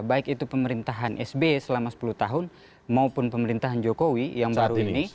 baik itu pemerintahan sbe selama sepuluh tahun maupun pemerintahan jokowi yang baru ini